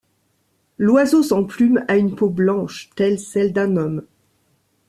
L'oiseau sans plumes a une peau blanche, telle celle d'un homme.